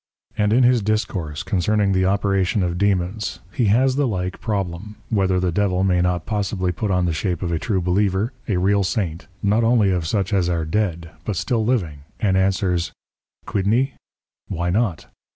And in his Discourse concerning the Operations of Dæmons he has the like Problem, whether the Devil may not possibly put on the shape of a true Believer, a real Saint, not only of such as are dead, but still living, and answers, Quidni? Why not?